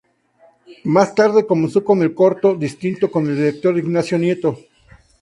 Más tarde comenzó con el corto, Distinto, con el director Ignacio Nieto.